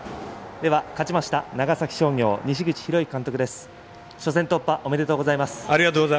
勝ちました長崎商業西口博之監督です。